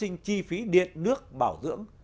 giá sinh chi phí điện nước bảo dưỡng